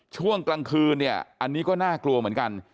ช่วงกลางคืนเนี่ยอันนี้ก็น่ากลัวเหมือนกัน